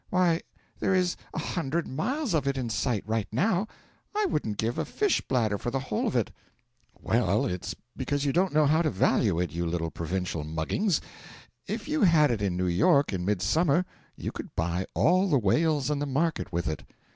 Why, there is a hundred miles of it in sight, right now. I wouldn't give a fish bladder for the whole of it.' 'Well, it's because you don't know how to value it, you little provincial muggings. If you had it in New York in midsummer, you could buy all the whales in the market with it.'